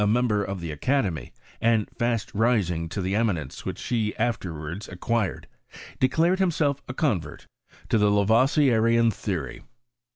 member of the academy, and tast ming to tlie eminence which he afterwards acquired, de clared himself a convert to the Laroi^ieaian theory.